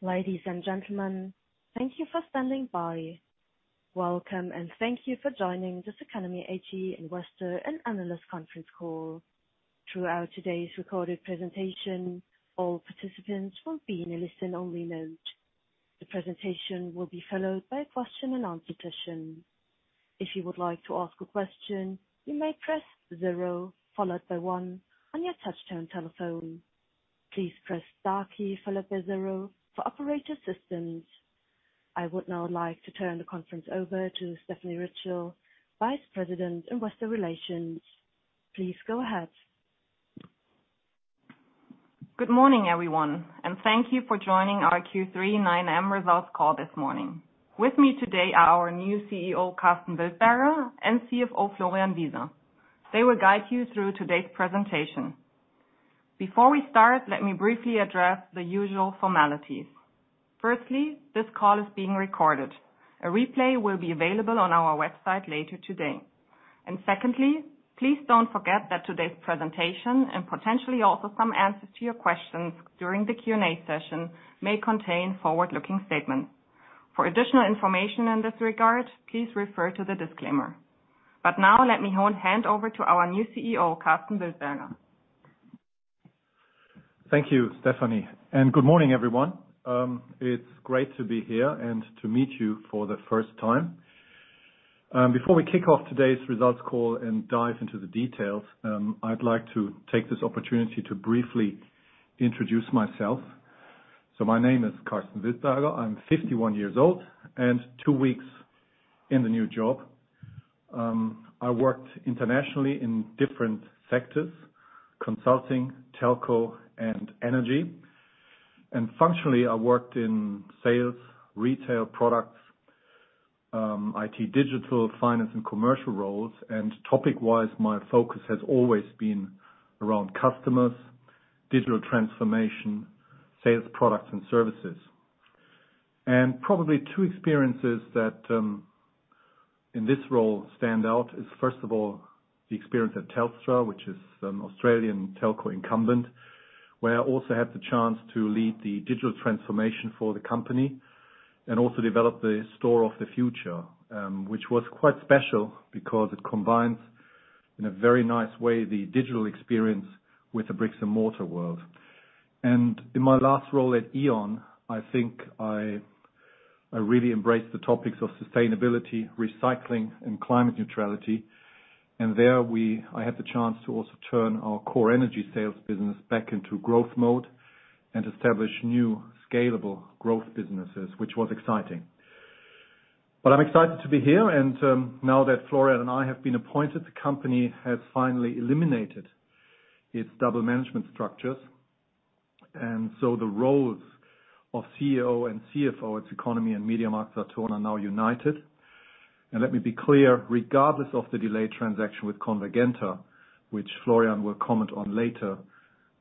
Ladies and gentlemen, thank you for standing by. Welcome and thank you for joining the CECONOMY AG Investor and Analyst Conference Call. Throughout today's recorded presentation, all participants will be in a listen-only mode. The presentation will be followed by a question and answer session. If you would like to ask a question, you may press zero followed by one on your touchtone telephone. Please press star key followed by zero for operator assistance. I would now like to turn the conference over to Stephanie Ritschel, Vice President, Investor Relations. Please go ahead. Good morning, everyone, and thank you for joining our Q3 2021 results call this morning. With me today are our new CEO, Karsten Wildberger, and CFO, Florian Wieser. They will guide you through today's presentation. Before we start, let me briefly address the usual formalities. Firstly, this call is being recorded. A replay will be available on our website later today. Secondly, please don't forget that today's presentation, and potentially also some answers to your questions during the Q&A session, may contain forward-looking statements. For additional information in this regard, please refer to the disclaimer. Now let me hand over to our new CEO, Karsten Wildberger. Thank you, Stephanie, and good morning, everyone. It's great to be here and to meet you for the first time. Before we kick off today's results call and dive into the details, I'd like to take this opportunity to briefly introduce myself. My name is Karsten Wildberger. I'm 51 years old and two weeks in the new job. I worked internationally in different sectors: consulting, telco, and energy. Functionally, I worked in sales, retail, products, IT, digital, finance, and commercial roles. Topic-wise, my focus has always been around customers, digital transformation, sales products and services. Probably two experiences that in this role stand out is, first of all, the experience at Telstra, which is an Australian telco incumbent, where I also had the chance to lead the digital transformation for the company and also develop the store of the future, which was quite special because it combines, in a very nice way, the digital experience with the bricks and mortar world. In my last role at E.ON, I think I really embraced the topics of sustainability, recycling, and climate neutrality. There, I had the chance to also turn our core energy sales business back into growth mode and establish new scalable growth businesses, which was exciting. I'm excited to be here and, now that Florian and I have been appointed, the company has finally eliminated its double management structures. The roles of CEO and CFO at CECONOMY and MediaMarktSaturn are now united. Let me be clear, regardless of the delayed transaction with Convergenta, which Florian will comment on later,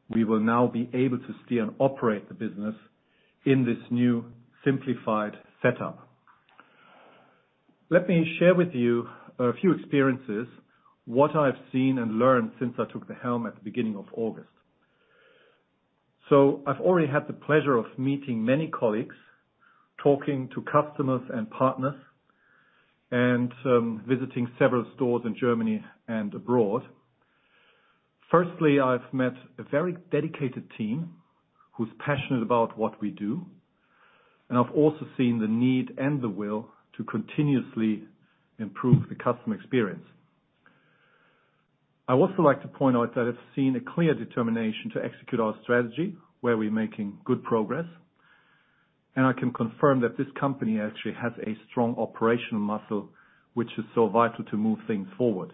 we will now be able to steer and operate the business in this new simplified setup. Let me share with you a few experiences, what I've seen and learned since I took the helm at the beginning of August. I've already had the pleasure of meeting many colleagues, talking to customers and partners, and visiting several stores in Germany and abroad. Firstly, I've met a very dedicated team who's passionate about what we do, and I've also seen the need and the will to continuously improve the customer experience. I also like to point out that I've seen a clear determination to execute our strategy, where we're making good progress. I can confirm that this company actually has a strong operational muscle, which is so vital to move things forward.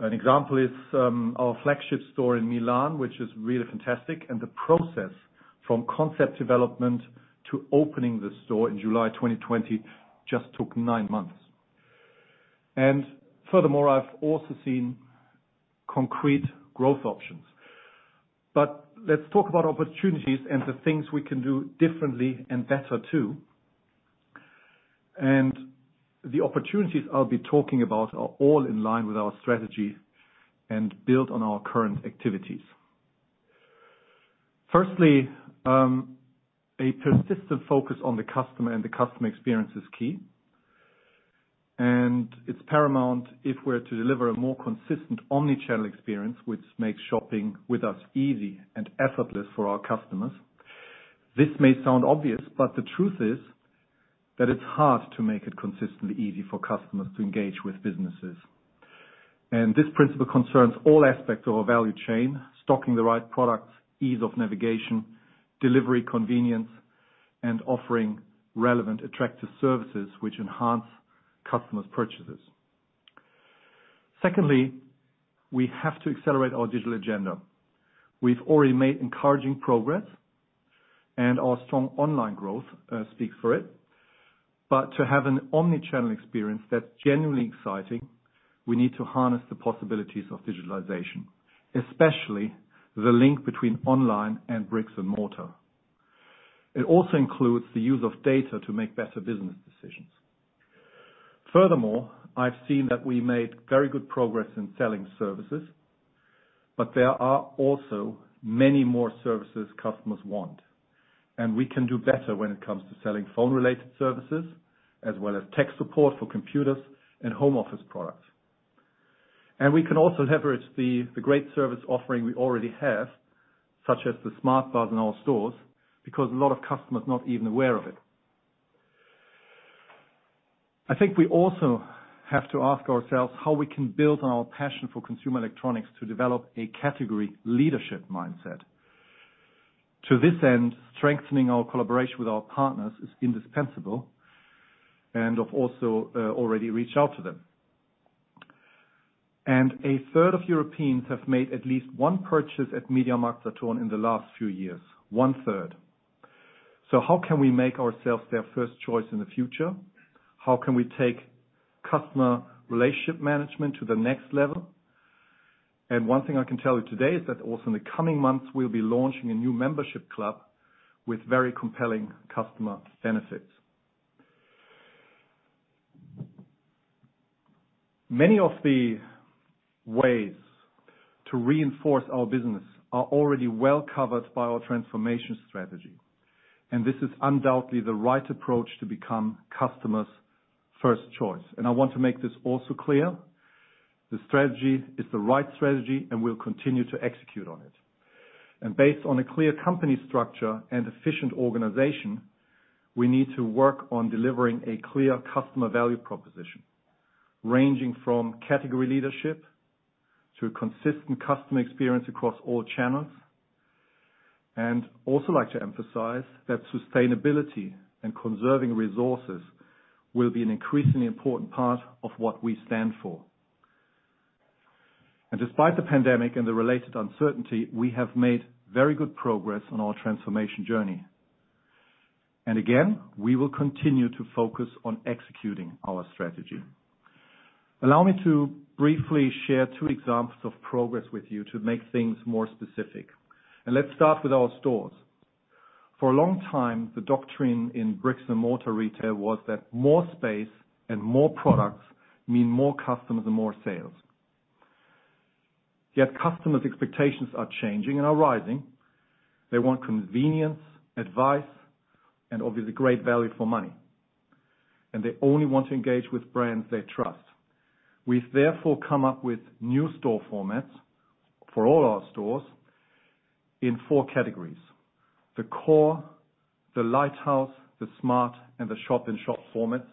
An example is our flagship store in Milan, which is really fantastic, and the process from concept development to opening the store in July 2020 just took nine months. Furthermore, I've also seen concrete growth options. Let's talk about opportunities and the things we can do differently and better, too. The opportunities I'll be talking about are all in line with our strategy and build on our current activities. Firstly, a persistent focus on the customer and the customer experience is key. It's paramount if we're to deliver a more consistent omnichannel experience, which makes shopping with us easy and effortless for our customers. This may sound obvious, but the truth is that it's hard to make it consistently easy for customers to engage with businesses. This principle concerns all aspects of our value chain: stocking the right products, ease of navigation, delivery convenience, and offering relevant, attractive services which enhance customers' purchases. Secondly, we have to accelerate our digital agenda. We've already made encouraging progress, and our strong online growth speaks for it. To have an omnichannel experience that's genuinely exciting, we need to harness the possibilities of digitalization, especially the link between online and bricks and mortar. It also includes the use of data to make better business decisions. I've seen that we made very good progress in selling services, but there are also many more services customers want, and we can do better when it comes to selling phone-related services, as well as tech support for computers and home office products. We can also leverage the great service offering we already have, such as the SmartBars in our stores, because a lot of customers are not even aware of it. I think we also have to ask ourselves how we can build on our passion for consumer electronics to develop a category leadership mindset. To this end, strengthening our collaboration with our partners is indispensable and I've also already reached out to them. A third of Europeans have made at least one purchase at MediaMarktSaturn in the last few years. One third. How can we make ourselves their first choice in the future? How can we take customer relationship management to the next level? One thing I can tell you today is that also in the coming months, we'll be launching a new membership club with very compelling customer benefits. Many of the ways to reinforce our business are already well-covered by our transformation strategy, and this is undoubtedly the right approach to become customers' first choice. I want to make this also clear, the strategy is the right strategy, and we'll continue to execute on it. Based on a clear company structure and efficient organization, we need to work on delivering a clear customer value proposition, ranging from category leadership to consistent customer experience across all channels. I'd also like to emphasize that sustainability and conserving resources will be an increasingly important part of what we stand for. Despite the pandemic and the related uncertainty, we have made very good progress on our transformation journey. Again, we will continue to focus on executing our strategy. Allow me to briefly share two examples of progress with you to make things more specific. Let's start with our stores. For a long time, the doctrine in bricks and mortar retail was that more space and more products mean more customers and more sales. Yet customers' expectations are changing and are rising. They want convenience, advice, and obviously great value for money. They only want to engage with brands they trust. We've therefore come up with new store formats for all our stores in four categories: the core, the lighthouse, the smart, and the shop-in-shop formats,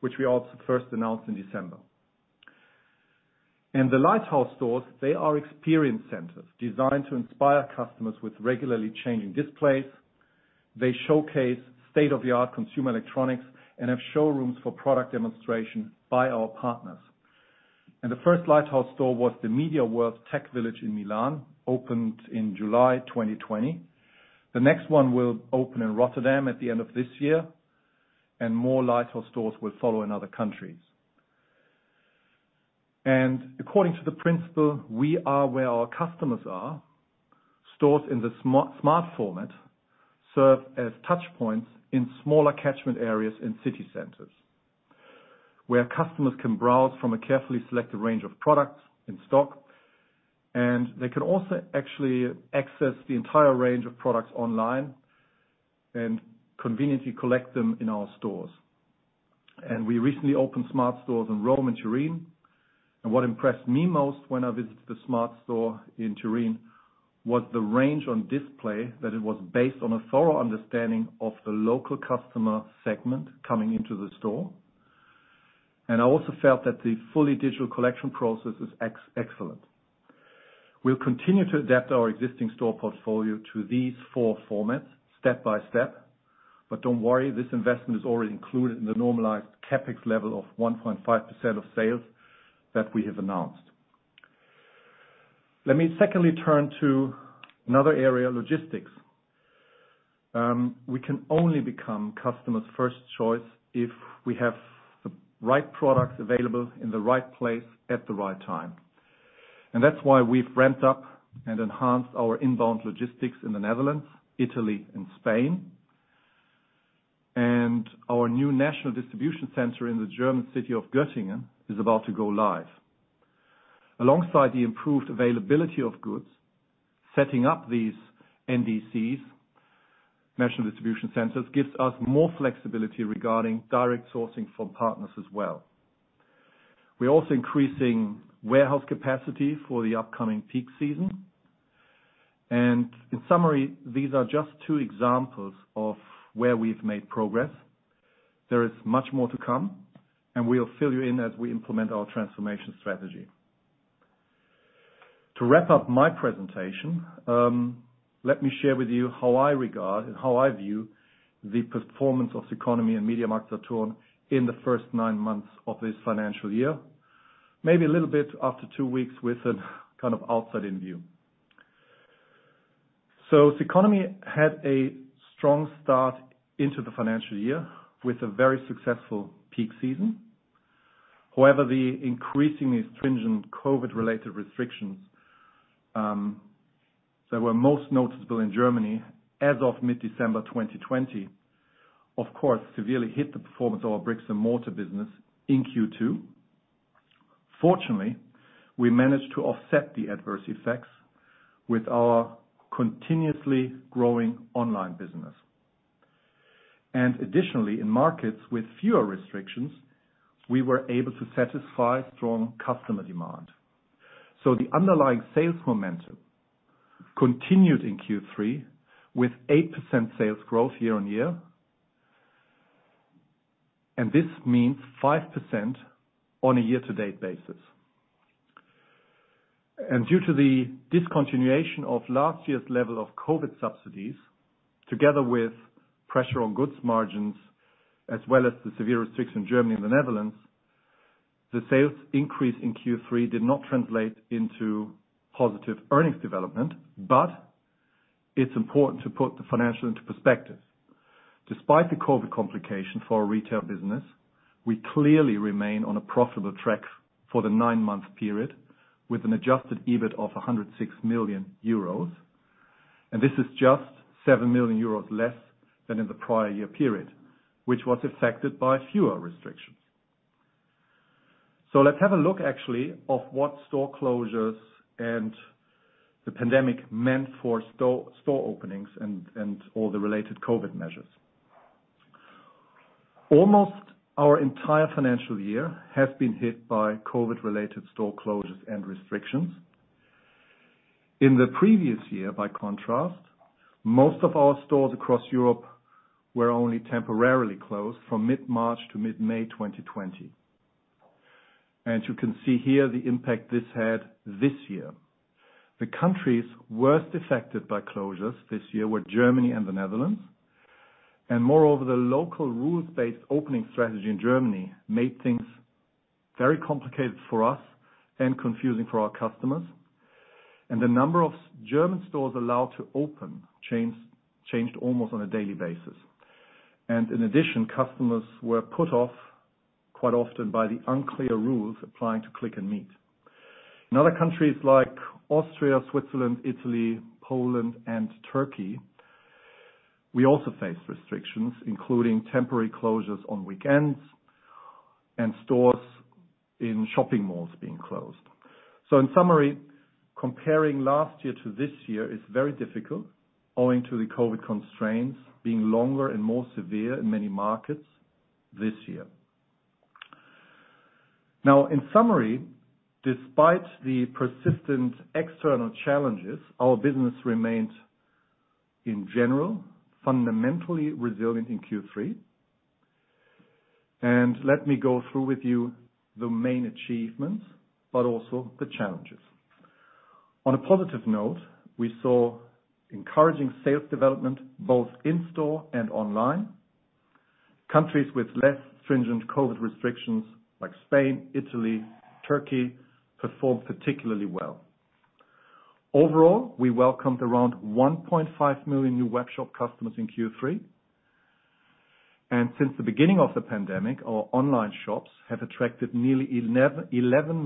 which we also first announced in December. In the lighthouse stores, they are experience centers designed to inspire customers with regularly changing displays. They showcase state-of-the-art consumer electronics and have showrooms for product demonstration by our partners. The first lighthouse store was the MediaWorld Tech Village in Milan, opened in July 2020. The next one will open in Rotterdam at the end of this year, and more lighthouse stores will follow in other countries. According to the principle, we are where our customers are. Stores in the smart format serve as touchpoints in smaller catchment areas in city centers, where customers can browse from a carefully selected range of products in stock, and they can also actually access the entire range of products online and conveniently collect them in our stores. We recently opened smart stores in Rome and Turin. What impressed me most when I visited the smart store in Turin was the range on display, that it was based on a thorough understanding of the local customer segment coming into the store. I also felt that the fully digital collection process is excellent. We'll continue to adapt our existing store portfolio to these four formats step by step. Don't worry, this investment is already included in the normalized CapEx level of 1.5% of sales that we have announced. Let me secondly turn to another area, logistics. We can only become customers' first choice if we have the right products available in the right place at the right time. That's why we've ramped up and enhanced our inbound logistics in the Netherlands, Italy, and Spain. Our new national distribution center in the German city of Göttingen is about to go live. Alongside the improved availability of goods, setting up these NDCs, National Distribution Centers, gives us more flexibility regarding direct sourcing from partners as well. We're also increasing warehouse capacity for the upcoming peak season. In summary, these are just two examples of where we've made progress. There is much more to come, and we'll fill you in as we implement our transformation strategy. To wrap up my presentation, let me share with you how I regard and how I view the performance of CECONOMY and MediaMarktSaturn in the first nine months of this financial year. Maybe a little bit after two weeks with an outside-in view. CECONOMY had a strong start into the financial year with a very successful peak season. However, the increasingly stringent COVID-related restrictions were most noticeable in Germany as of mid-December 2020, of course, severely hit the performance of our bricks and mortar business in Q2. Fortunately, we managed to offset the adverse effects with our continuously growing online business. Additionally, in markets with fewer restrictions, we were able to satisfy strong customer demand. The underlying sales momentum continued in Q3 with 8% sales growth year-on-year, and this means 5% on a year to date basis. Due to the discontinuation of last year's level of COVID subsidies, together with pressure on goods margins, as well as the severe restriction in Germany and the Netherlands, the sales increase in Q3 did not translate into positive earnings development, but it's important to put the financial into perspective. Despite the COVID complication for our retail business, we clearly remain on a profitable track for the nine-month period with an adjusted EBIT of 106 million euros. This is just 7 million euros less than in the prior year period, which was affected by fewer restrictions. Let's have a look actually of what store closures and the pandemic meant for store openings and all the related COVID measures. Almost our entire financial year has been hit by COVID-related store closures and restrictions. In the previous year, by contrast, most of our stores across Europe were only temporarily closed from mid-March to mid-May 2020. You can see here the impact this had this year. The countries worst affected by closures this year were Germany and the Netherlands. Moreover, the local rules-based opening strategy in Germany made things very complicated for us and confusing for our customers. The number of German stores allowed to open changed almost on a daily basis. In addition, customers were put off quite often by the unclear rules applying to Click & Meet. In other countries like Austria, Switzerland, Italy, Poland and Turkey, we also faced restrictions, including temporary closures on weekends and stores in shopping malls being closed. In summary, comparing last year to this year is very difficult owing to the COVID constraints being longer and more severe in many markets this year. In summary, despite the persistent external challenges, our business remained, in general, fundamentally resilient in Q3. Let me go through with you the main achievements, but also the challenges. On a positive note, we saw encouraging sales development both in-store and online. Countries with less stringent COVID restrictions like Spain, Italy, Turkey, performed particularly well. Overall, we welcomed around 1.5 million new webshop customers in Q3. Since the beginning of the pandemic, our online shops have attracted nearly 11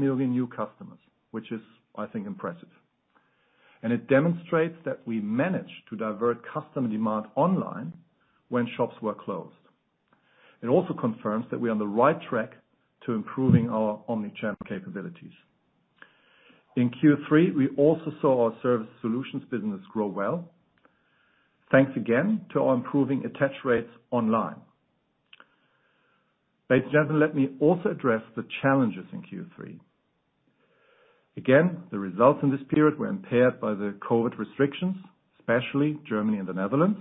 million new customers, which is, I think, impressive. It demonstrates that we managed to divert customer demand online when shops were closed. It also confirms that we are on the right track to improving our omni-channel capabilities. In Q3, we also saw our service solutions business grow well, thanks again to our improving attach rates online. Ladies and gentlemen, let me also address the challenges in Q3. Again, the results in this period were impaired by the COVID-19 restrictions, especially Germany and the Netherlands.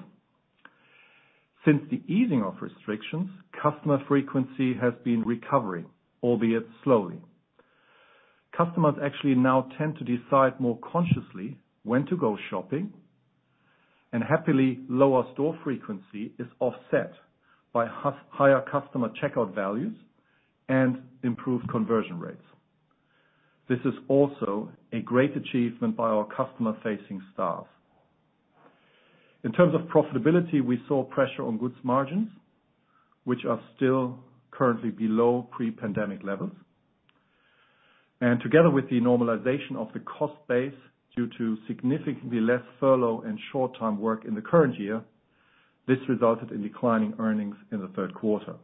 Since the easing of restrictions, customer frequency has been recovering, albeit slowly. Customers actually now tend to decide more consciously when to go shopping. Happily, lower store frequency is offset by higher customer checkout values and improved conversion rates. This is also a great achievement by our customer-facing staff. In terms of profitability, we saw pressure on goods margins, which are still currently below pre-pandemic levels. Together with the normalization of the cost base due to significantly less furlough and short-term work in the current year, this resulted in declining earnings in the third quarter.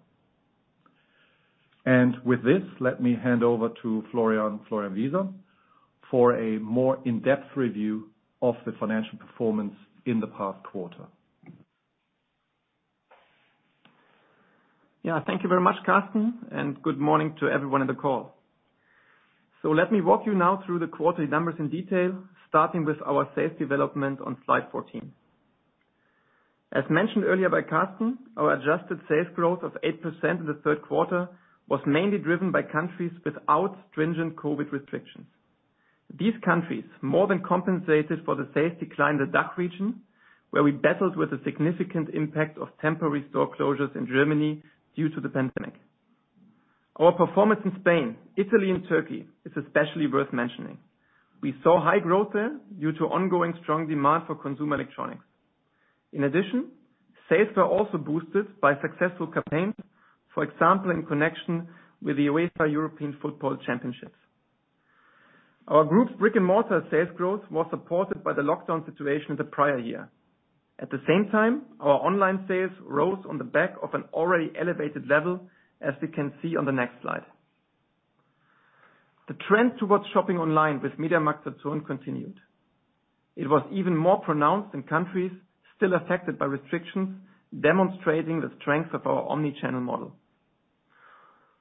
With this, let me hand over to Florian Wieser for a more in-depth review of the financial performance in the past quarter. Yeah, thank you very much, Karsten, and good morning to everyone on the call. Let me walk you now through the quarterly numbers in detail, starting with our sales development on slide 14. As mentioned earlier by Karsten, our adjusted sales growth of 8% in the third quarter was mainly driven by countries without stringent COVID-19 restrictions. These countries more than compensated for the sales decline in the DACH region, where we battled with the significant impact of temporary store closures in Germany due to the pandemic. Our performance in Spain, Italy and Turkey is especially worth mentioning. We saw high growth there due to ongoing strong demand for consumer electronics. In addition, sales were also boosted by successful campaigns, for example, in connection with the UEFA European Championship. Our group brick-and-mortar sales growth was supported by the lockdown situation in the prior year. At the same time, our online sales rose on the back of an already elevated level, as we can see on the next slide. The trend towards shopping online with MediaMarktSaturn continued. It was even more pronounced in countries still affected by restrictions, demonstrating the strength of our omni-channel model.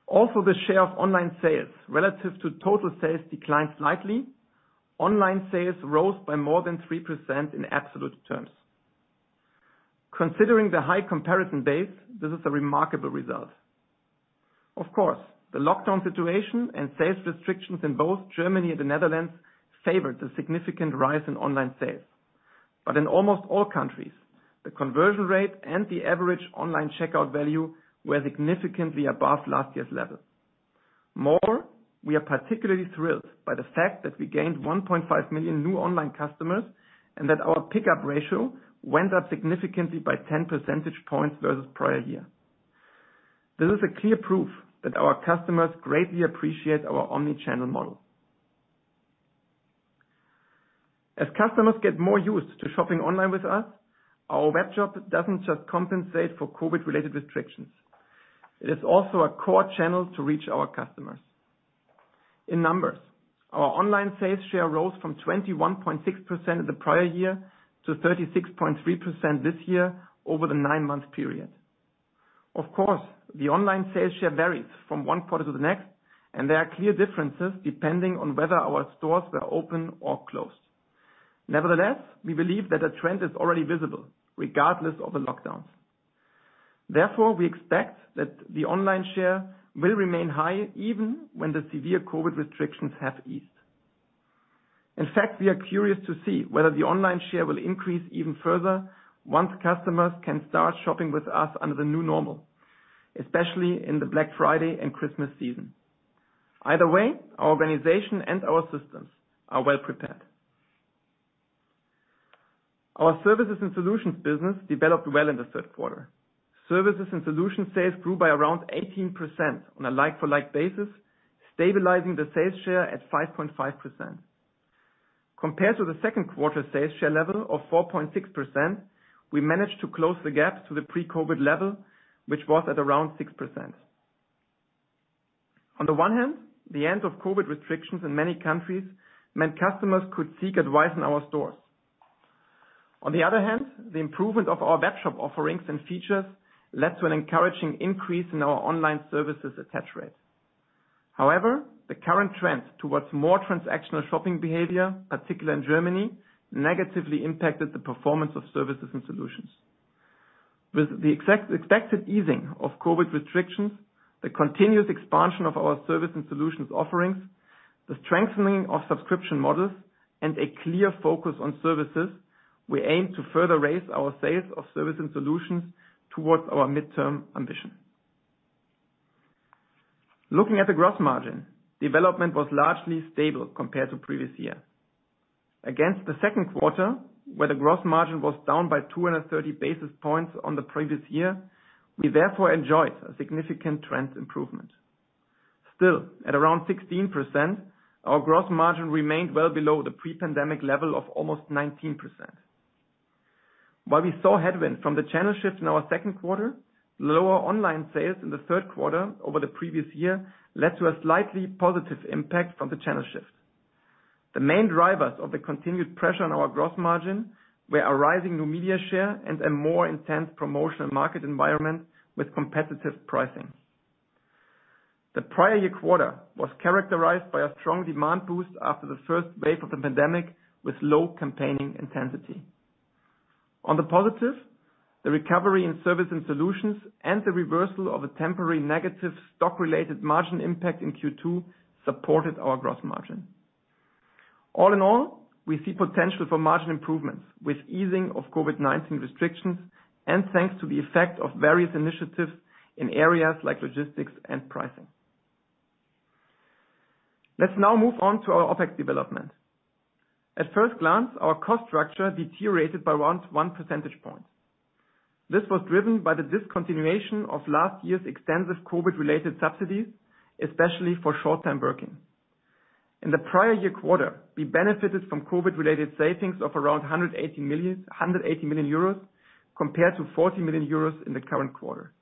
Also, the share of online sales relative to total sales declined slightly. Online sales rose by more than 3% in absolute terms. Considering the high comparison base, this is a remarkable result. Of course, the lockdown situation and sales restrictions in both Germany and the Netherlands favored the significant rise in online sales. In almost all countries, the conversion rate and the average online checkout value were significantly above last year's level. More, we are particularly thrilled by the fact that we gained 1.5 million new online customers, and that our pickup ratio went up significantly by 10 percentage points versus prior year. This is a clear proof that our customers greatly appreciate our omni-channel model. As customers get more used to shopping online with us, our web shop doesn't just compensate for COVID-related restrictions. It is also a core channel to reach our customers. In numbers, our online sales share rose from 21.6% the prior year to 36.3% this year over the nine-month period. Of course, the online sales share varies from one quarter to the next, and there are clear differences depending on whether our stores were open or closed. Nevertheless, we believe that a trend is already visible regardless of the lockdowns. We expect that the online share will remain high even when the severe COVID restrictions have eased. In fact, we are curious to see whether the online share will increase even further once customers can start shopping with us under the new normal, especially in the Black Friday and Christmas season. Either way, our organization and our systems are well prepared. Our services and solutions business developed well in the third quarter. Services and solution sales grew by around 18% on a like-for-like basis, stabilizing the sales share at 5.5%. Compared to the second quarter sales share level of 4.6%, we managed to close the gap to the pre-COVID level, which was at around 6%. On the one hand, the end of COVID restrictions in many countries meant customers could seek advice in our stores. On the other hand, the improvement of our web shop offerings and features led to an encouraging increase in our online services attach rate. The current trend towards more transactional shopping behavior, particularly in Germany, negatively impacted the performance of services and solutions. With the expected easing of COVID restrictions, the continuous expansion of our service and solutions offerings, the strengthening of subscription models, and a clear focus on services, we aim to further raise our sales of service and solutions towards our midterm ambition. Looking at the gross margin, development was largely stable compared to previous year. Against the second quarter, where the gross margin was down by 230 basis points on the previous year, we therefore enjoyed a significant trend improvement. Still, at around 16%, our gross margin remained well below the pre-pandemic level of almost 19%. While we saw headwind from the channel shift in our second quarter, lower online sales in the third quarter over the previous year led to a slightly positive impact from the channel shift. The main drivers of the continued pressure on our gross margin were a rising new media share and a more intense promotional market environment with competitive pricing. The prior year quarter was characterized by a strong demand boost after the first wave of the pandemic, with low campaigning intensity. On the positive, the recovery in service and solutions and the reversal of a temporary negative stock-related margin impact in Q2 supported our gross margin. All in all, we see potential for margin improvements with easing of COVID-19 restrictions and thanks to the effect of various initiatives in areas like logistics and pricing. Let's now move on to our OpEx development. At first glance, our cost structure deteriorated by around 1 percentage point. This was driven by the discontinuation of last year's extensive COVID-related subsidies, especially for short-term working. In the prior year quarter, we benefited from COVID-related savings of around 180 million euros compared to 40 million euros in the current quarter.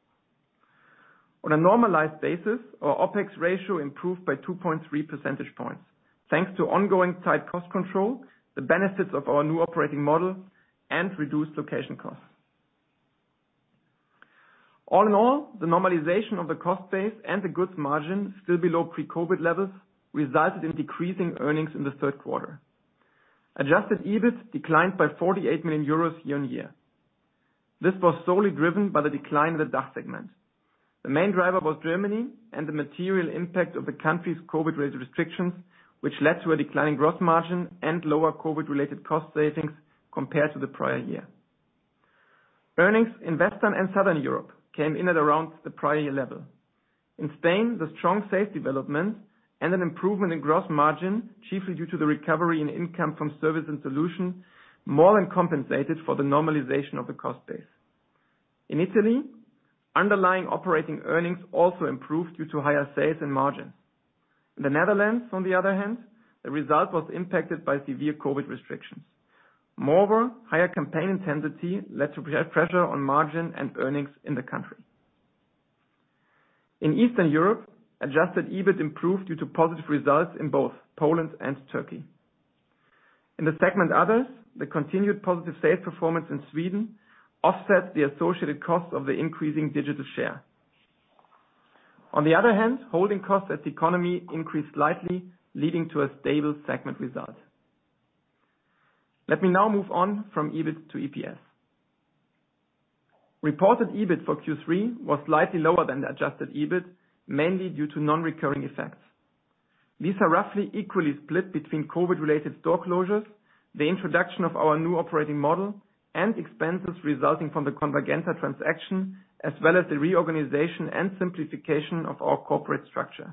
On a normalized basis, our OpEx ratio improved by 2.3 percentage points, thanks to ongoing tight cost control, the benefits of our new operating model, and reduced location costs. All in all, the normalization of the cost base and the goods margin still below pre-COVID levels resulted in decreasing earnings in the third quarter. Adjusted EBIT declined by 48 million euros year-on-year. This was solely driven by the decline of the DACH segment. The main driver was Germany and the material impact of the country's COVID-related restrictions, which led to a declining gross margin and lower COVID-related cost savings compared to the prior year. Earnings in Western and Southern Europe came in at around the prior year level. In Spain, the strong sales development and an improvement in gross margin, chiefly due to the recovery in income from service and solution, more than compensated for the normalization of the cost base. In Italy, underlying operating earnings also improved due to higher sales and margin. In the Netherlands, on the other hand, the result was impacted by severe COVID restrictions. Moreover, higher campaign intensity led to peer pressure on margin and earnings in the country. In Eastern Europe, adjusted EBIT improved due to positive results in both Poland and Turkey. In the segment Others, the continued positive sales performance in Sweden offset the associated cost of the increasing digital share. On the other hand, holding costs at CECONOMY increased slightly, leading to a stable segment result. Let me now move on from EBIT to EPS. Reported EBIT for Q3 was slightly lower than the adjusted EBIT, mainly due to non-recurring effects. These are roughly equally split between COVID-related store closures, the introduction of our new operating model, and expenses resulting from the Convergenta transaction, as well as the reorganization and simplification of our corporate structure.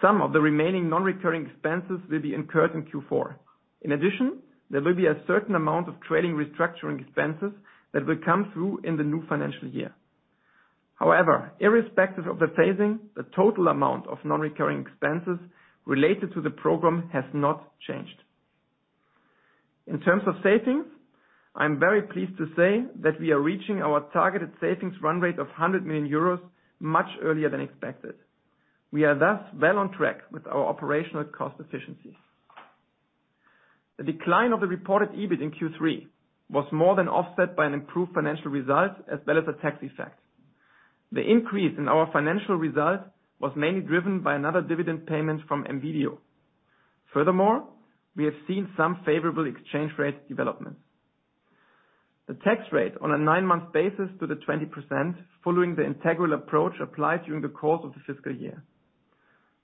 Some of the remaining non-recurring expenses will be incurred in Q4. In addition, there will be a certain amount of trading restructuring expenses that will come through in the new financial year. However, irrespective of the phasing, the total amount of non-recurring expenses related to the program has not changed. In terms of savings, I am very pleased to say that we are reaching our targeted savings run rate of 100 million euros much earlier than expected. We are thus well on track with our operational cost efficiencies. The decline of the reported EBIT in Q3 was more than offset by an improved financial result, as well as a tax effect. The increase in our financial result was mainly driven by another dividend payment from M.Video. Furthermore, we have seen some favorable exchange rate developments. The tax rate on a nine-month basis to the 20% following the integral approach applied during the course of the fiscal year.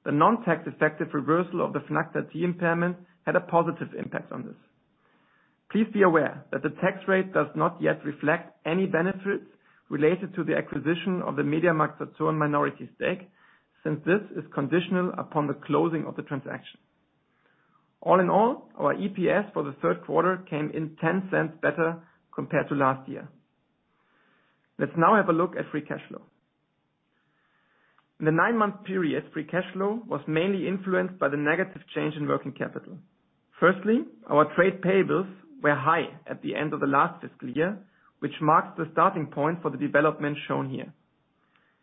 The non-tax effective reversal of the Fnac Darty impairment had a positive impact on this. Please be aware that the tax rate does not yet reflect any benefits related to the acquisition of the MediaMarktSaturn minority stake, since this is conditional upon the closing of the transaction. All in all, our EPS for the third quarter came in 0.10 better compared to last year. Let's now have a look at free cash flow. In the nine-month period, free cash flow was mainly influenced by the negative change in working capital. Firstly, our trade payables were high at the end of the last fiscal year, which marks the starting point for the development shown here.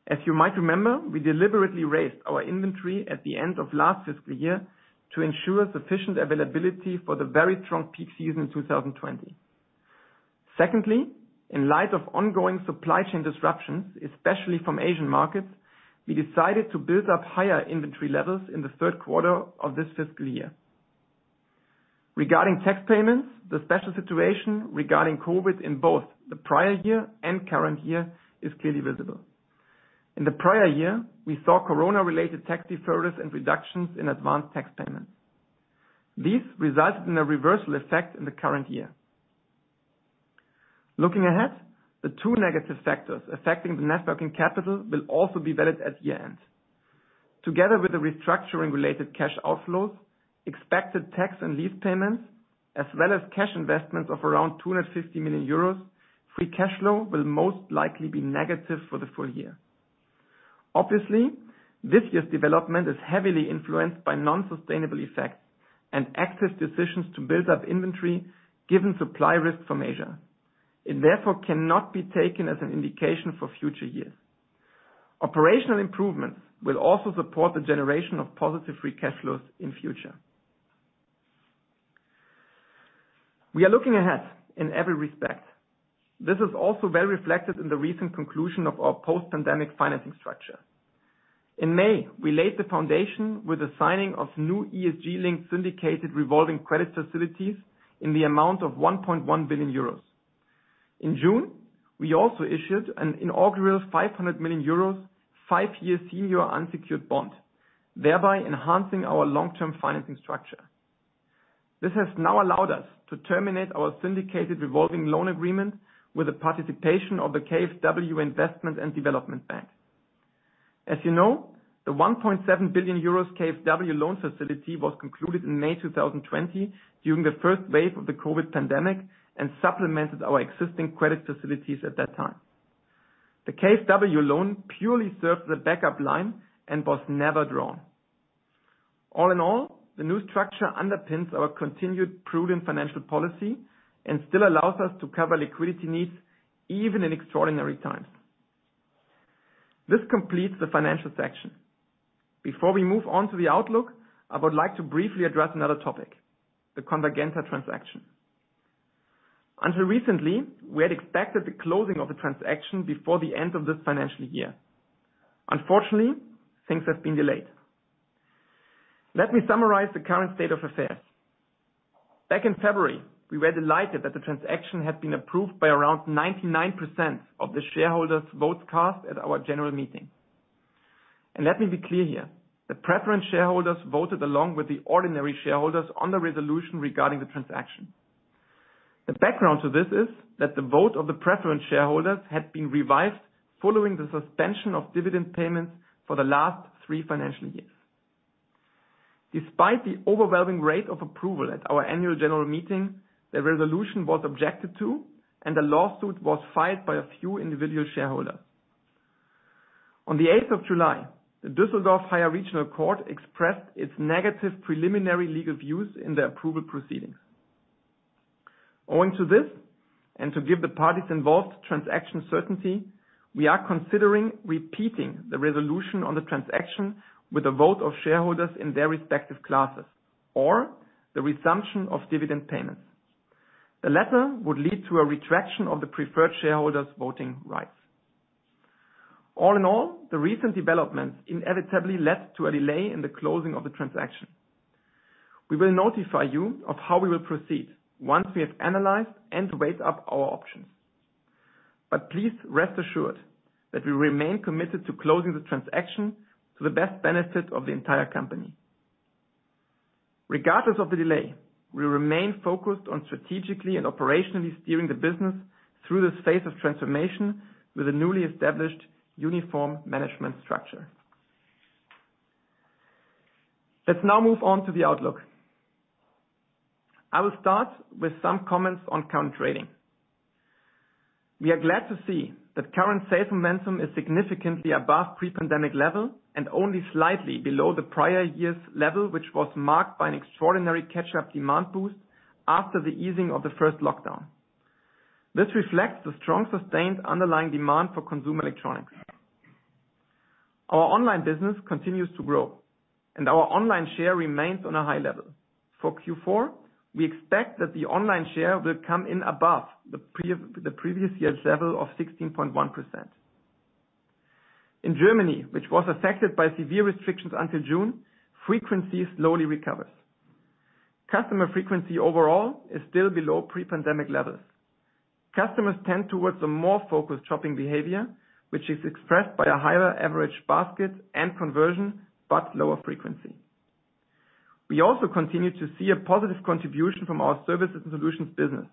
As you might remember, we deliberately raised our inventory at the end of last fiscal year to ensure sufficient availability for the very strong peak season in 2020. Secondly, in light of ongoing supply chain disruptions, especially from Asian markets, we decided to build up higher inventory levels in the third quarter of this fiscal year. Regarding tax payments, the special situation regarding COVID-19 in both the prior year and current year is clearly visible. In the prior year, we saw Corona-related tax deferrals and reductions in advanced tax payments. These resulted in a reversal effect in the current year. Looking ahead, the two negative factors affecting the net working capital will also be valid at year-end. Together with the restructuring related cash outflows, expected tax and lease payments, as well as cash investments of around 250 million euros, free cash flow will most likely be negative for the full year. Obviously, this year's development is heavily influenced by non-sustainable effects and active decisions to build up inventory given supply risk from Asia. It therefore cannot be taken as an indication for future years. Operational improvements will also support the generation of positive free cash flows in future. We are looking ahead in every respect. This is also well reflected in the recent conclusion of our post-pandemic financing structure. In May, we laid the foundation with the signing of new ESG-linked syndicated revolving credit facilities in the amount of 1.1 billion euros. In June, we also issued an inaugural 500 million euros, five-year senior unsecured bond, thereby enhancing our long-term financing structure. This has now allowed us to terminate our syndicated revolving loan agreement with the participation of the KfW Investment and Development Bank. As you know, the 1.7 billion euros KfW loan facility was concluded in May 2020 during the first wave of the COVID pandemic and supplemented our existing credit facilities at that time. The KfW loan purely served the backup line and was never drawn. All in all, the new structure underpins our continued prudent financial policy and still allows us to cover liquidity needs even in extraordinary times. This completes the financial section. Before we move on to the outlook, I would like to briefly address another topic, the Convergenta transaction. Until recently, we had expected the closing of the transaction before the end of this financial year. Unfortunately, things have been delayed. Let me summarize the current state of affairs. Back in February, we were delighted that the transaction had been approved by around 99% of the shareholders' votes cast at our general meeting. Let me be clear here, the preference shareholders voted along with the ordinary shareholders on the resolution regarding the transaction. The background to this is that the vote of the preference shareholders had been revised following the suspension of dividend payments for the last three financial years. Despite the overwhelming rate of approval at our annual general meeting, the resolution was objected to and a lawsuit was filed by a few individual shareholders. On the 8th of July, the Düsseldorf Higher Regional Court expressed its negative preliminary legal views in the approval proceedings. Owing to this, and to give the parties involved transaction certainty, we are considering repeating the resolution on the transaction with the vote of shareholders in their respective classes, or the resumption of dividend payments. The latter would lead to a retraction of the preferred shareholders' voting rights. All in all, the recent developments inevitably led to a delay in the closing of the transaction. We will notify you of how we will proceed once we have analyzed and weighed up our options. Please rest assured that we remain committed to closing the transaction to the best benefit of the entire company. Regardless of the delay, we remain focused on strategically and operationally steering the business through this phase of transformation with a newly established uniform management structure. Let's now move on to the outlook. I will start with some comments on current trading. We are glad to see that current sales momentum is significantly above pre-pandemic level and only slightly below the prior year's level, which was marked by an extraordinary catch-up demand boost after the easing of the first lockdown. This reflects the strong, sustained underlying demand for consumer electronics. Our online business continues to grow, and our online share remains on a high level. For Q4, we expect that the online share will come in above the previous year's level of 16.1%. In Germany, which was affected by severe restrictions until June, frequency slowly recovers. Customer frequency overall is still below pre-pandemic levels. Customers tend towards a more focused shopping behavior, which is expressed by a higher average basket and conversion, but lower frequency. We also continue to see a positive contribution from our services and solutions business,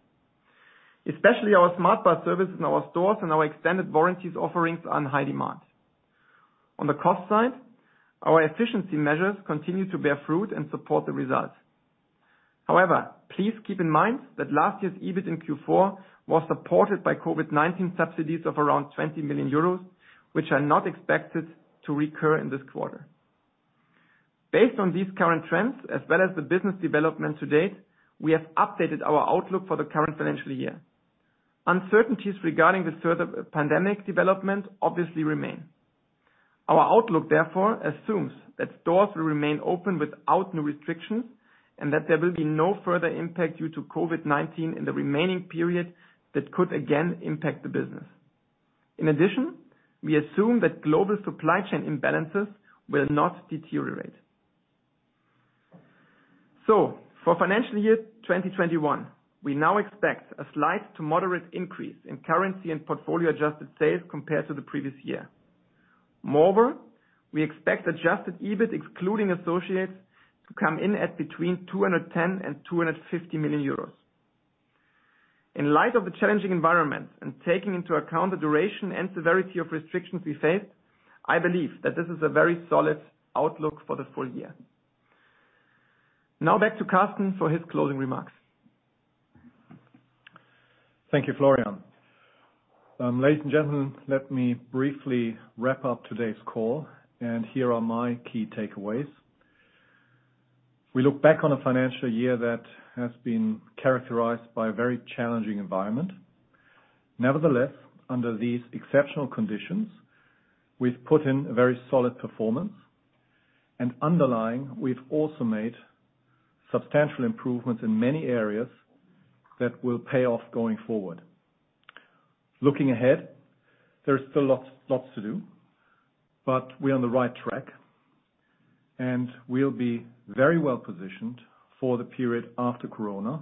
especially our SmartBar services in our stores and our extended warranties offerings are in high demand. On the cost side, our efficiency measures continue to bear fruit and support the results. However, please keep in mind that last year's EBIT in Q4 was supported by COVID-19 subsidies of around 20 million euros, which are not expected to recur in this quarter. Based on these current trends, as well as the business development to date, we have updated our outlook for the current financial year. Uncertainties regarding the further pandemic development obviously remain. Our outlook, therefore, assumes that stores will remain open without new restrictions, and that there will be no further impact due to COVID-19 in the remaining period that could again impact the business. In addition, we assume that global supply chain imbalances will not deteriorate. For financial year 2021, we now expect a slight to moderate increase in currency and portfolio adjusted sales compared to the previous year. Moreover, we expect adjusted EBIT, excluding associates, to come in at between 210 million-250 million euros. In light of the challenging environment and taking into account the duration and severity of restrictions we faced, I believe that this is a very solid outlook for the full year. Now back to Karsten for his closing remarks. Thank you, Florian. Ladies and gentlemen, let me briefly wrap up today's call, and here are my key takeaways. We look back on a financial year that has been characterized by a very challenging environment. Nevertheless, under these exceptional conditions, we've put in a very solid performance and underlying, we've also made substantial improvements in many areas that will pay off going forward. Looking ahead, there is still lots to do, but we are on the right track, and we'll be very well-positioned for the period after Corona,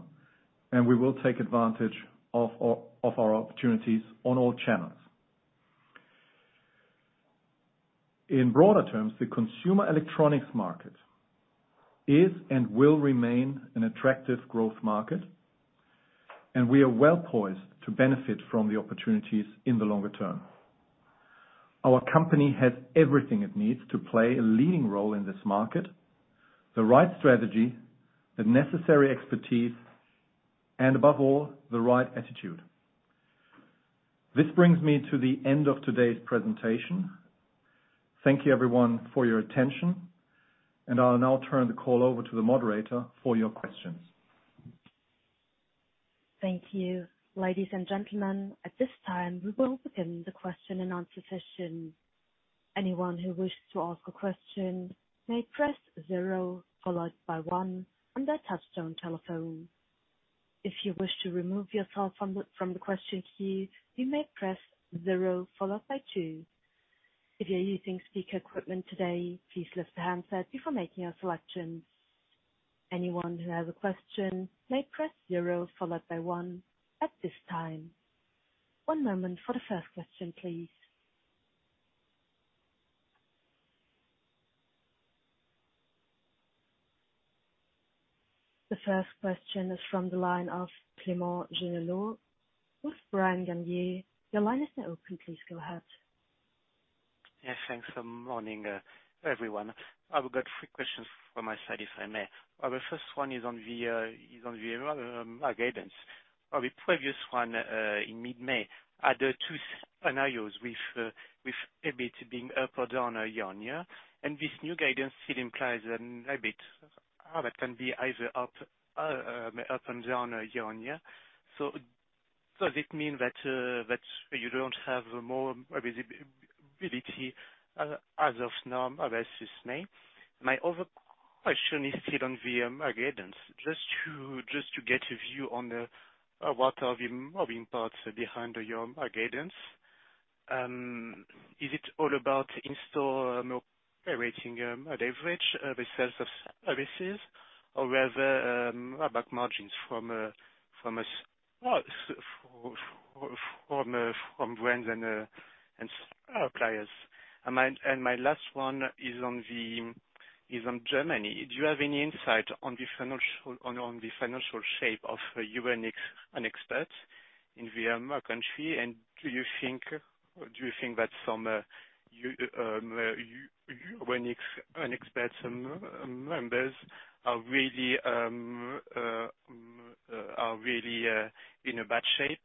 and we will take advantage of our opportunities on all channels. In broader terms, the consumer electronics market is and will remain an attractive growth market, and we are well-poised to benefit from the opportunities in the longer term. Our company has everything it needs to play a leading role in this market, the right strategy, the necessary expertise, and above all, the right attitude. This brings me to the end of today's presentation. Thank you everyone for your attention. I'll now turn the call over to the moderator for your questions. Thank you. Ladies and gentlemen, at this time, we will begin the question and answer session. Anyone who wishes to ask a question may press zero followed by one on their touch-tone telephone. If you wish to remove yourself from the question queue, you may press zero followed by two. If you're using speaker equipment today, please lift the handset before making your selections. Anyone who has a question may press zero followed by one at this time. One moment for the first question, please. The first question is from the line of Clément Genelot with Bryan Garnier. Your line is now open. Please go ahead. Yes, thanks. Morning, everyone. I've got three questions from my side, if I may. The first one is on the guidance. The previous one, in mid-May, are there two scenarios with EBIT being up or down year-on-year? This new guidance still implies EBIT, how that can be either up and down year-on-year. Does it mean that you don't have more visibility as of now versus May? My other question is still on the guidance. Just to get a view on what are the moving parts behind your guidance. Is it all about in-store operating leverage, the sales of services, or whether more back margins from brands and suppliers? My last one is on Germany. Do you have any insight on the financial shape of [Unix Annexberg] in the country? Do you think that some [Unix] members are really in a bad shape?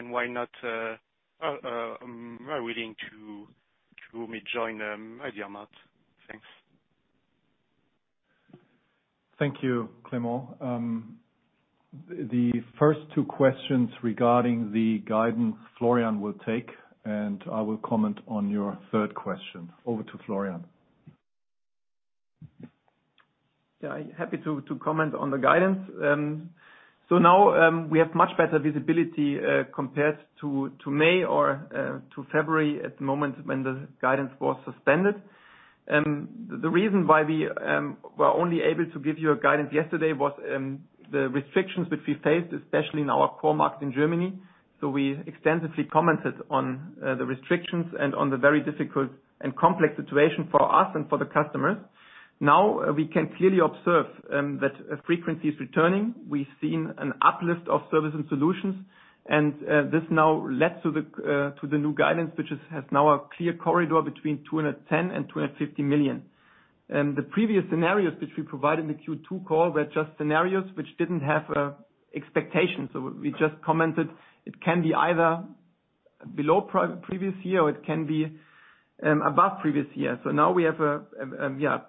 Why not be willing to maybe join the market? Thanks. Thank you, Clément. The first two questions regarding the guidance Florian will take, and I will comment on your third question. Over to Florian. Yeah. Happy to comment on the guidance. Now, we have much better visibility, compared to May or to February at the moment when the guidance was suspended. The reason why we were only able to give you a guidance yesterday was the restrictions which we faced, especially in our core market in Germany. We extensively commented on the restrictions and on the very difficult and complex situation for us and for the customers. Now we can clearly observe that frequency is returning. We've seen an uplift of service and solutions, and this now led to the new guidance, which has now a clear corridor between 210 million and 250 million. The previous scenarios which we provided in the Q2 call were just scenarios which didn't have expectations. We just commented it can be either below previous year or it can be above previous year. Now we have a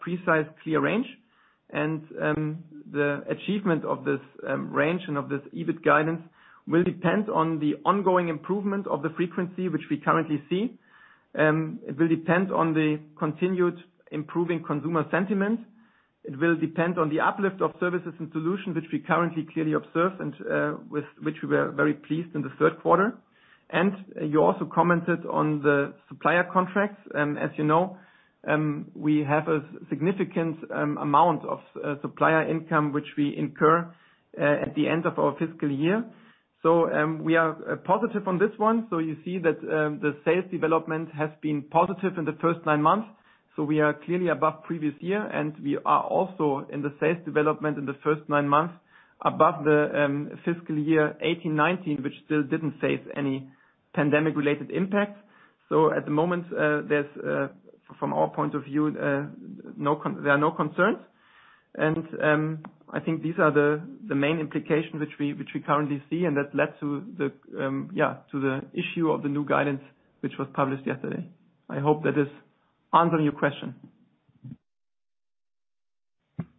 precise, clear range. The achievement of this range and of this EBIT guidance will depend on the ongoing improvement of the frequency, which we currently see. It will depend on the continued improving consumer sentiment. It will depend on the uplift of services and solutions, which we currently clearly observe and with which we were very pleased in the third quarter. You also commented on the supplier contracts. As you know, we have a significant amount of supplier income, which we incur at the end of our fiscal year. We are positive on this one. You see that the sales development has been positive in the first nine months. We are clearly above previous year, and we are also in the sales development in the first nine months above the fiscal year 2018/2019, which still didn't face any pandemic-related impacts. At the moment, from our point of view there are no concerns. I think these are the main implications which we currently see, and that led to the issue of the new guidance, which was published yesterday. I hope that is answering your question.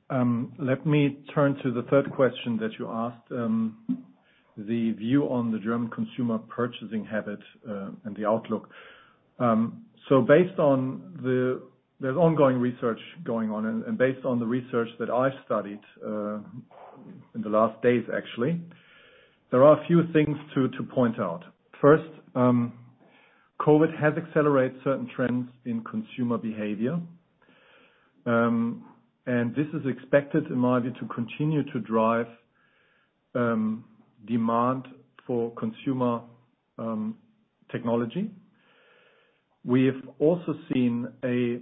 Let me turn to the third question that you asked, the view on the German consumer purchasing habit, and the outlook. There's ongoing research going on, and based on the research that I've studied, in the last days actually, there are a few things to point out. First, COVID has accelerated certain trends in consumer behavior. This is expected, in my view, to continue to drive demand for consumer technology. We have also seen a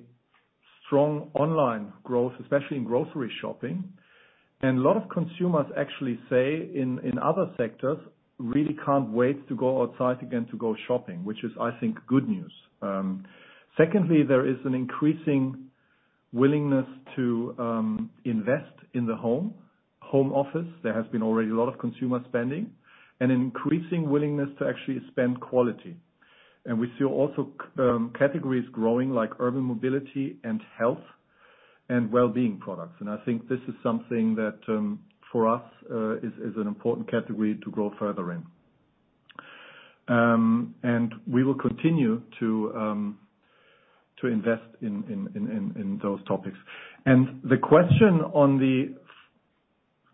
strong online growth, especially in grocery shopping, and a lot of consumers actually say in other sectors, really can't wait to go outside again to go shopping, which is, I think, good news. Secondly, there is an increasing willingness to invest in the home office. There has been already a lot of consumer spending and increasing willingness to actually spend quality. We see also categories growing like urban mobility and health and wellbeing products. I think this is something that, for us, is an important category to grow further in. We will continue to invest in those topics. The question on the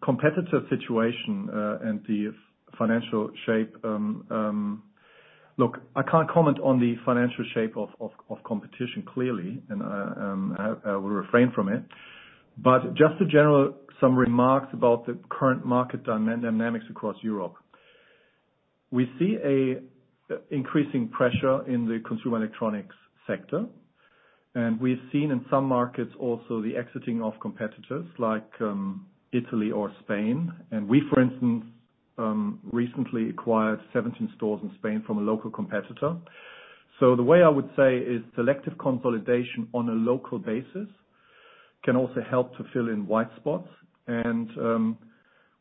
competitor situation, and the financial shape. Look, I can't comment on the financial shape of competition, clearly, and I will refrain from it. Just a general summary remarks about the current market dynamics across Europe. We see an increasing pressure in the consumer electronics sector. We've seen in some markets also the exiting of competitors like, Italy or Spain. We, for instance, recently acquired 17 stores in Spain from a local competitor. The way I would say is selective consolidation on a local basis can also help to fill in white spots.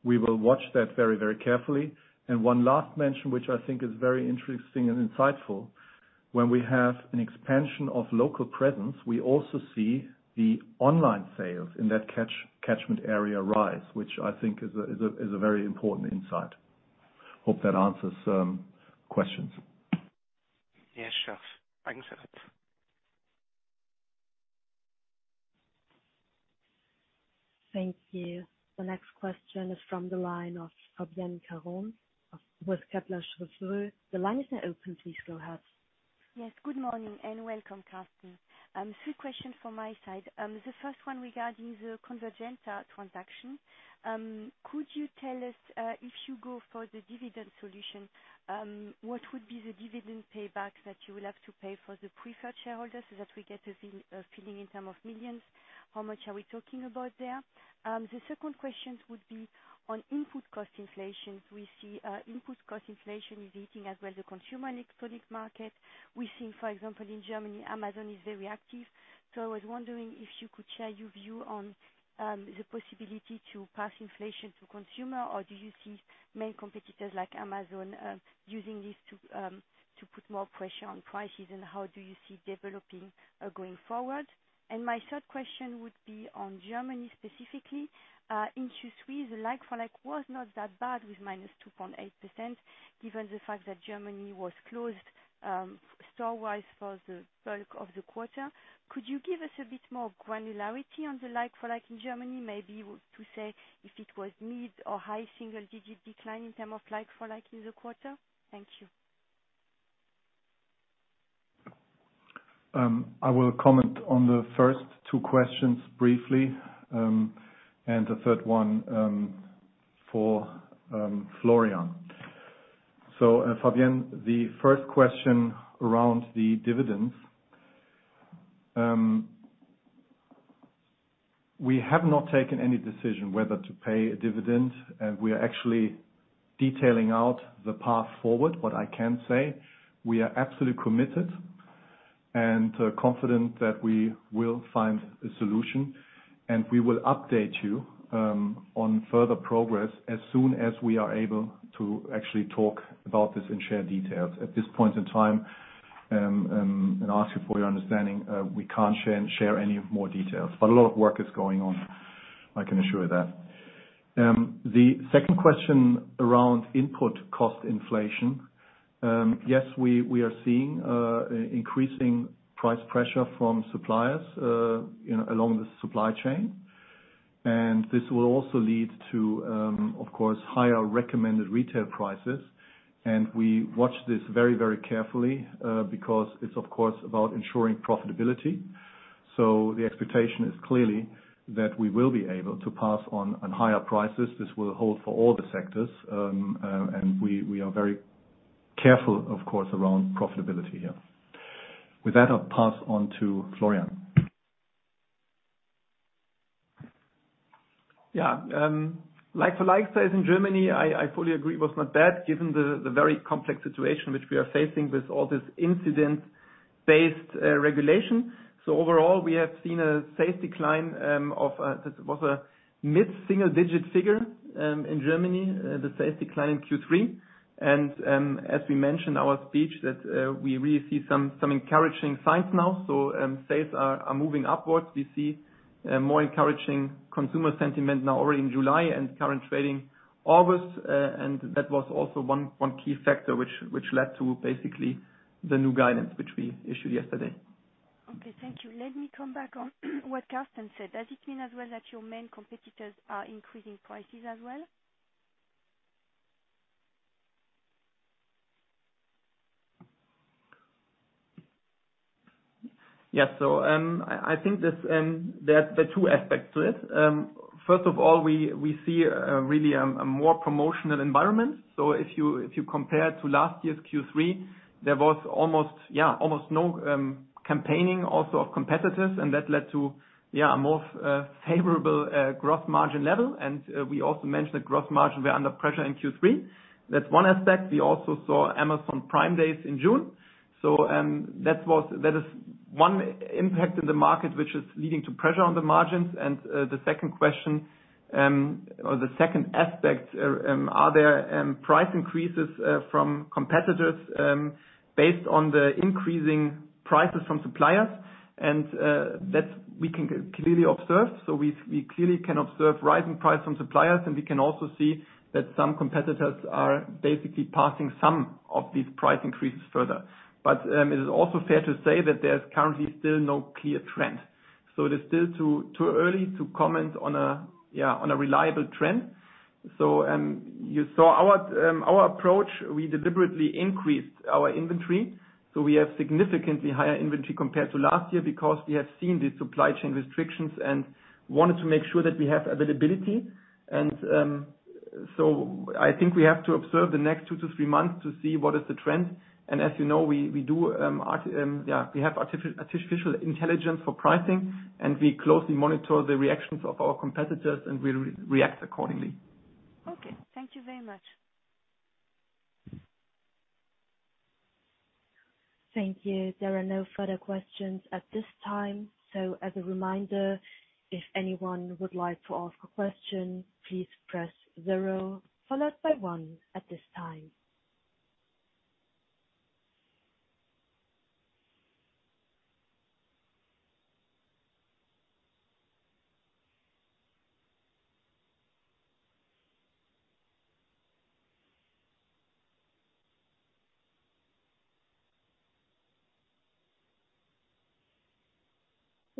We will watch that very carefully. One last mention, which I think is very interesting and insightful. When we have an expansion of local presence, we also see the online sales in that catchment area rise, which I think is a very important insight. Hope that answers questions. Yes, sure. Thanks a lot. Thank you. The next question is from the line of Fabienne Caron of Kepler Cheuvreux. The line is now open. Please go ahead. Good morning and welcome, Karsten. Two questions from my side. First one regarding the Convergenta transaction. Could you tell us, if you go for the dividend solution, what would be the dividend payback that you will have to pay for the preferred shareholders so that we get a feeling in terms of millions? How much are we talking about there? Second question would be on input cost inflation. We see, input cost inflation is hitting as well the consumer electronics market. We think, for example, in Germany, Amazon is very active. I was wondering if you could share your view on the possibility to pass inflation to consumers, or do you see main competitors like Amazon using this to put more pressure on prices, and how do you see developing, going forward? My third question would be on Germany specifically. In Q3, the like for like was not that bad with minus 2.8%, given the fact that Germany was closed, store-wise, for the bulk of the quarter. Could you give us a bit more granularity on the like for like in Germany, maybe to say if it was mid or high single digit decline in terms of like for like in the quarter? Thank you. I will comment on the first two questions briefly, and the third one for Florian. Fabienne, the first question around the dividends. We have not taken any decision whether to pay a dividend. We are actually detailing out the path forward. What I can say, we are absolutely committed and confident that we will find a solution, and we will update you, on further progress as soon as we are able to actually talk about this and share details. At this point in time, and I ask you for your understanding, we can't share any more details. A lot of work is going on, I can assure you that. The second question around input cost inflation. Yes, we are seeing increasing price pressure from suppliers along the supply chain. This will also lead to, of course, higher recommended retail prices. We watch this very carefully, because it's of course about ensuring profitability. The expectation is clearly that we will be able to pass on higher prices. This will hold for all the sectors, and we are very careful, of course, around profitability here. With that, I'll pass on to Florian. Yeah. Like for like sales in Germany, I fully agree was not bad given the very complex situation which we are facing with all this incident-based regulation. Overall, we have seen a sales decline of a mid-single digit figure in Germany, the sales decline in Q3. As we mentioned our speech that we really see some encouraging signs now. Sales are moving upwards. We see more encouraging consumer sentiment now already in July and current trading, August. That was also one key factor which led to basically the new guidance which we issued yesterday. Okay, thank you. Let me come back on what Karsten said. Does it mean as well that your main competitors are increasing prices as well? Yeah. I think there are two aspects to it. First of all, we see a really more promotional environment. If you compare to last year's Q3, there was almost no campaigning also of competitors, and that led to a more favorable gross margin level. We also mentioned that gross margin were under pressure in Q3. That's one aspect. We also saw Amazon Prime Day in June. That is one impact in the market, which is leading to pressure on the margins. The second question, or the second aspect, are there price increases from competitors based on the increasing prices from suppliers? That we can clearly observe. We clearly can observe rising price from suppliers, and we can also see that some competitors are basically passing some of these price increases further. It is also fair to say that there's currently still no clear trend. It is still too early to comment on a reliable trend. You saw our approach, we deliberately increased our inventory. We have significantly higher inventory compared to last year because we have seen the supply chain restrictions and wanted to make sure that we have availability. I think we have to observe the next two to three months to see what is the trend. As you know, we have artificial intelligence for pricing, and we closely monitor the reactions of our competitors, and we react accordingly. Okay. Thank you very much. Thank you. There are no further questions at this time, so as a reminder, if anyone would like to ask a question, please press zero followed by one at this time.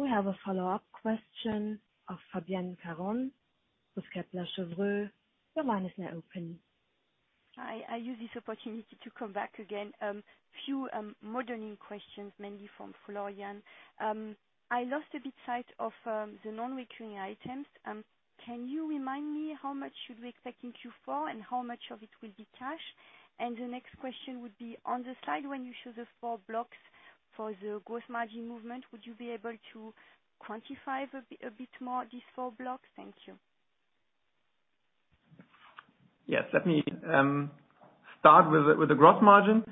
We have a follow-up question of Fabienne Caron with Kepler Cheuvreux. Your line is now open. I use this opportunity to come back again. Few modeling questions, mainly from Florian. I lost a bit sight of the non-recurring items. Can you remind me how much should we expect in Q4, and how much of it will be cash? The next question would be, on the slide when you show the four blocks for the gross margin movement, would you be able to quantify a bit more these four blocks? Thank you. Yes. Let me start with the gross margin.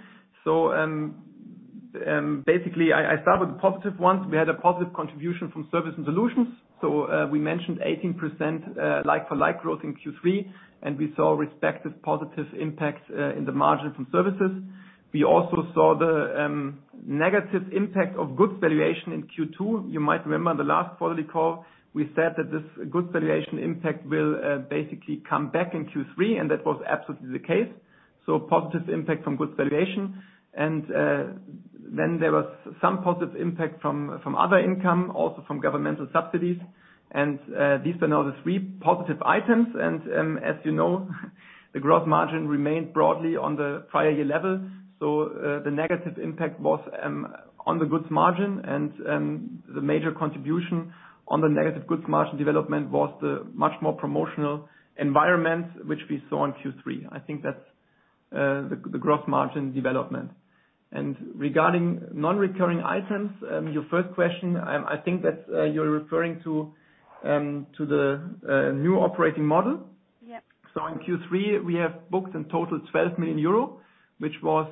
Basically I start with the positive ones. We had a positive contribution from service and solutions. We mentioned 18% like-for-like growth in Q3, and we saw respective positive impacts in the margin from services. We also saw the negative impact of goods valuation in Q2. You might remember in the last quarterly call, we said that this goods valuation impact will basically come back in Q3, and that was absolutely the case. Positive impact from goods valuation. There was some positive impact from other income, also from governmental subsidies. These were now the three positive items and, as you know, the gross margin remained broadly on the prior year level. The negative impact was on the goods margin and the major contribution on the negative goods margin development was the much more promotional environment which we saw in Q3. I think that's the gross margin development. Regarding non-recurring items, your first question, I think that you're referring to the new operating model. Yeah. In Q3, we have booked in total 12 million euros, which was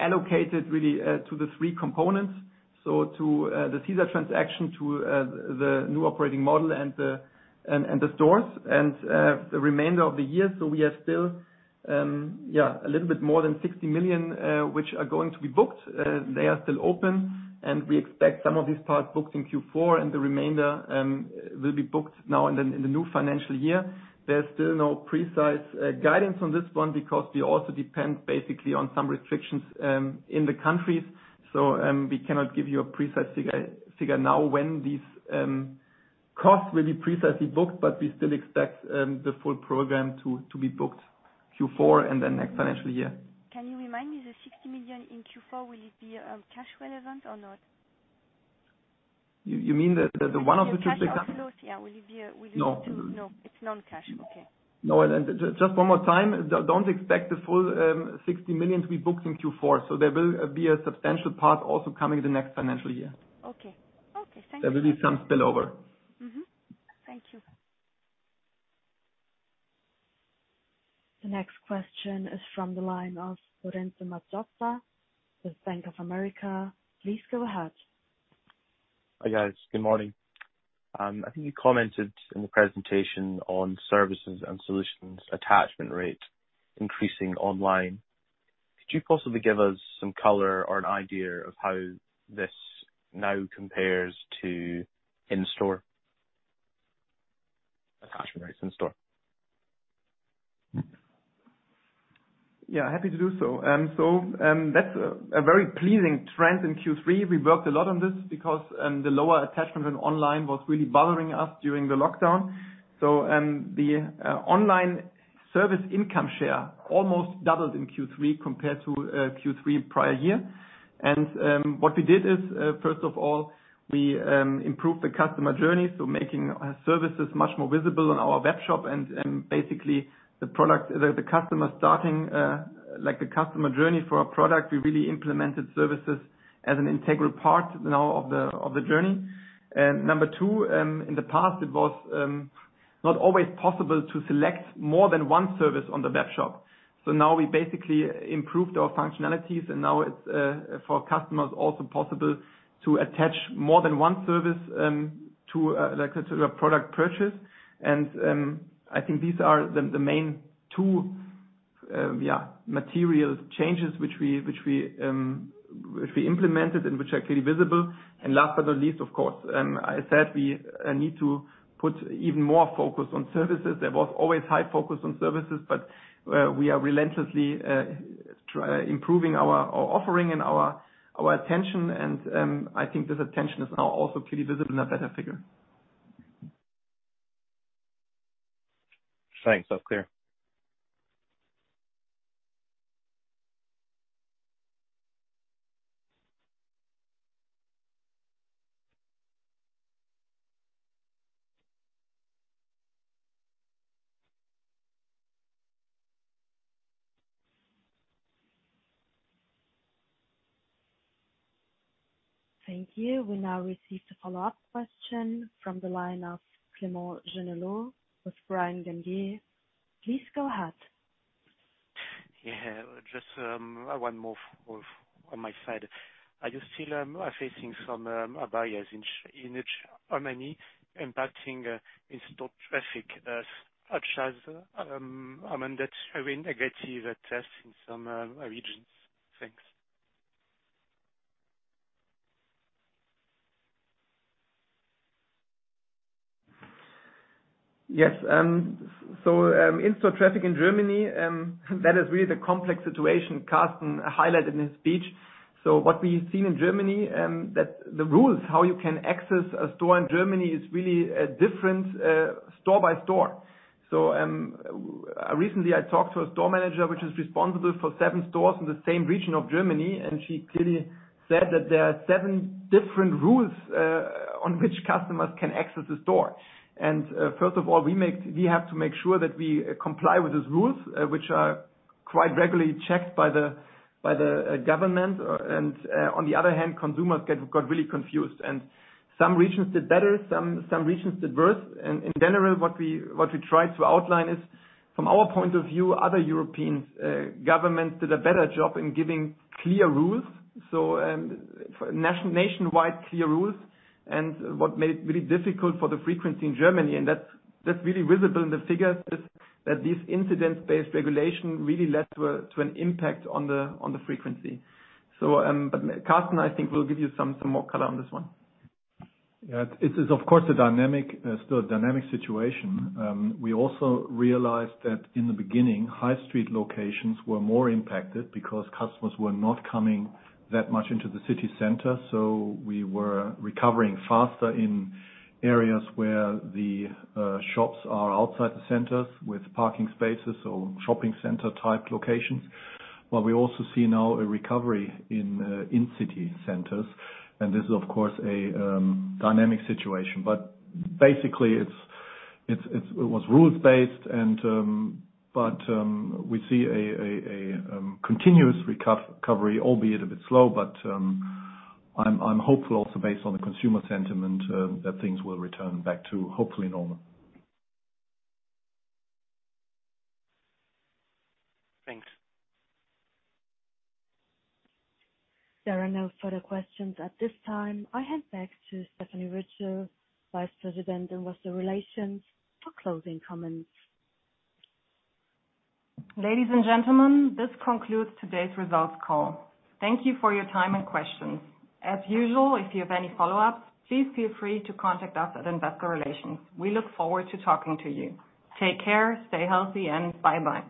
allocated really to the three components. To the Cesar transaction, to the new operating model and the stores, and the remainder of the year. We are still a little bit more than 60 million, which are going to be booked. They are still open, and we expect some of these parts booked in Q4 and the remainder will be booked now in the new financial year. There's still no precise guidance on this one because we also depend basically on some restrictions in the countries. We cannot give you a precise figure now when these costs will be precisely booked, but we still expect the full program to be booked Q4 and then next financial year. Can you remind me, the 60 million in Q4, will it be cash relevant or not? You mean the one of the three-? Will it be cash or close? Yeah. No. No, it's non-cash. Okay. No, just one more time, don't expect the full 60 million to be booked in Q4. There will be a substantial part also coming the next financial year. Okay. Thank you. There will be some spillover. Mm-hmm. Thank you. The next question is from the line of Lorenzo Margiotta with Bank of America. Please go ahead. Hi, guys. Good morning. I think you commented in the presentation on services and solutions attachment rate increasing online. Could you possibly give us some color or an idea of how this now compares to in-store attachment rates? Yeah, happy to do so. That's a very pleasing trend in Q3. We worked a lot on this because the lower attachment in online was really bothering us during the lockdown. The online service income share almost doubled in Q3 compared to Q3 prior year. What we did is, first of all, we improved the customer journey, making services much more visible on our web shop and basically the customer journey for a product, we really implemented services as an integral part now of the journey. Number two, in the past, it was not always possible to select more than 1 service on the web shop. Now we basically improved our functionalities, and now it's, for our customers, also possible to attach more than one service to a product purchase. I think these are the main two material changes which we implemented and which are clearly visible. Last but not least, of course, I said we need to put even more focus on services. There was always high focus on services, but we are relentlessly improving our offering and our attention and I think this attention is now also clearly visible in a better figure. Thanks. That's clear. Thank you. We now receive the follow-up question from the line of Clément Genelot with Bryan Garnier. Please go ahead. Yeah, just one more on my side. Are you still facing some barriers in Germany impacting in-store traffic, such as, amended or negative tests in some regions? Thanks. Yes. In-store traffic in Germany, that is really the complex situation Karsten highlighted in his speech. What we've seen in Germany, that the rules, how you can access a store in Germany is really different store by store. Recently I talked to a store manager, which is responsible for seven stores in the same region of Germany, and she clearly said that there are seven different rules on which customers can access the store. First of all, we have to make sure that we comply with those rules, which are quite regularly checked by the government. On the other hand, consumers got really confused. Some regions did better, some regions did worse. In general, what we try to outline is from our point of view, other European governments did a better job in giving clear rules. Nationwide clear rules and what made it really difficult for the frequency in Germany, and that's really visible in the figures, is that these incident-based regulation really led to an impact on the frequency. Karsten, I think, will give you some more color on this one. It is of course a dynamic situation. We also realized that in the beginning, high street locations were more impacted because customers were not coming that much into the city center. We were recovering faster in areas where the shops are outside the centers with parking spaces or shopping center type locations. We also see now a recovery in city centers, and this is of course a dynamic situation. Basically it was rules-based and we see a continuous recovery, albeit a bit slow, I'm hopeful also based on the consumer sentiment, that things will return back to, hopefully normal. Thanks. There are no further questions at this time. I hand back to Stephanie Ritschel, Vice President, Investor Relations, for closing comments. Ladies and gentlemen, this concludes today's results call. Thank you for your time and questions. As usual, if you have any follow-ups, please feel free to contact us at Investor Relations. We look forward to talking to you. Take care, stay healthy, and bye-bye.